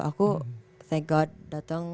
aku thank god dateng